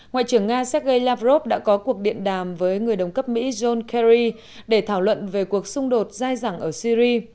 ngoại trưởng nga sergei lavrov đã có cuộc điện đàm với người đồng cấp mỹ john kerry để thảo luận về cuộc xung đột dài dẳng ở syri